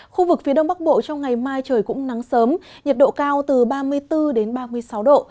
khu vực phía đông bắc bộ trong ngày mai trời cũng nắng sớm nhiệt độ cao từ ba mươi bốn đến ba mươi sáu độ